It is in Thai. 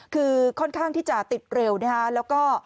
คือค่อนข้างที่จะติดเร็วนะฮะแล้วก็